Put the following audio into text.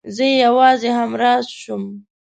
زه يې يوازې همراز شوم.